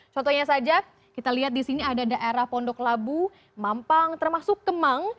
contohnya saja kita lihat di sini ada daerah pondok labu mampang termasuk kemang